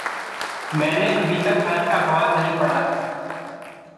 मैंने अभी तक आज का अखबार नहीं पढ़ा है।